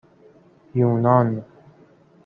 یونان